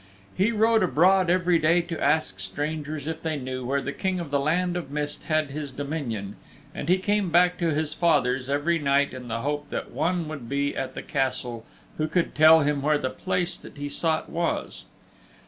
He rode abroad every day to ask strangers if they knew where the King of the Land of Mist had his dominion and he came back to his father's every night in the hope that one would be at the Castle who could tell him where the place that he sought was.